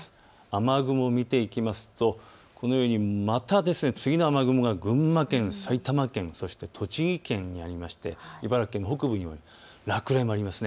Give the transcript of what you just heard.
雨雲を見ていきますとこのようにまた次の雨雲が群馬県、埼玉県、そして栃木県にあって茨城県の北部にもあります。